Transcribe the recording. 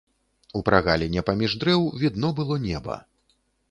У прагаліне паміж дрэў відно было неба.